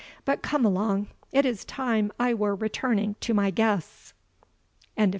"But come along, it is time I were returning to my guests." CHAPTER IX.